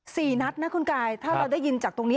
สี่นัดนะคุณกายถ้าเราได้ยินจากตรงนี้